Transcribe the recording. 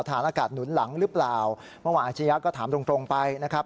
ฐานอากาศหนุนหลังหรือเปล่าเมื่อวานอาชียะก็ถามตรงตรงไปนะครับ